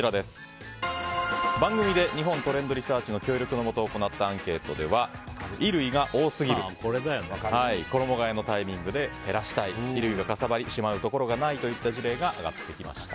番組で日本トレンドリサーチの協力のもと行ったアンケートでは衣類が多すぎる衣替えのタイミングで減らしたい衣類がかさばりしまうところがないといった事例が上がってきました。